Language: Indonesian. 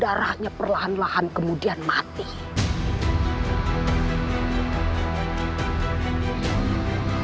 jurus itu mampu mengeringkan segala sesuatu yang basah di buka bumi ini